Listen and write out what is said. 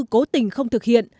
cố tình không thực hiện